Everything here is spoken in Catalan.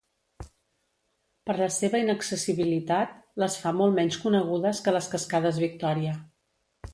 Per la seva inaccessibilitat, les fa molt menys conegudes que les cascades Victòria.